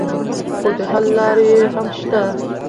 خو د حل لارې یې هم شته.